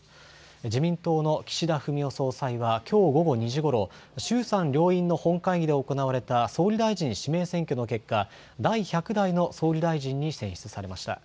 自民党の岸田文雄総裁はきょう午後２時ごろ、衆参両院の本会議で行われた総理大臣指名選挙の結果、第１００代の総理大臣に選出されました。